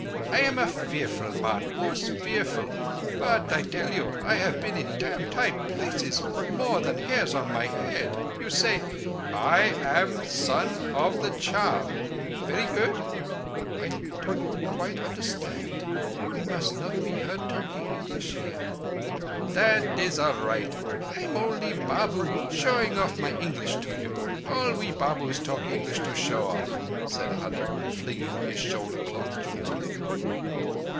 I am a fearful man—most fearful—but I tell you I have been in dam' tight places more than hairs on my head. You say: 'I am Son of the Charm.' Verree good." "I do not understand quite. We must not be heard talking English here." "That is all raight. I am only Babu showing off my English to you. All we Babus talk English to show off;" said Hurree, flinging his shoulder cloth jauntily.